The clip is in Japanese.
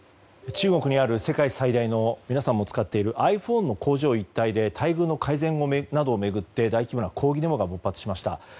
中国にある、世界最大の皆さんも使っているｉＰｈｏｎｅの工場一帯で待遇の改善などを巡って大規模な抗議デモが勃発しました。